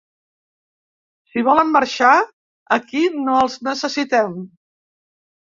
Si volen marxar, aquí no els necessitem.